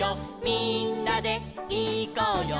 みんなでいこうよ」